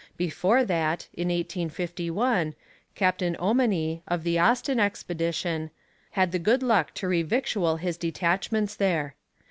Before that, in 1851, Captain Ommaney, of the Austin expedition, had the good luck to revictual his detachments there.